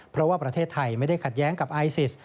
เพราะว่าประเทศไทยไม่ได้ขัดแย้งกับไอซิส